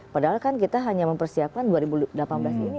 padahal kan kita hanya mempersiapkan dua ribu delapan belas ini